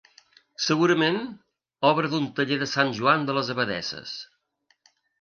Segurament obra d'un taller de Sant Joan de les Abadesses.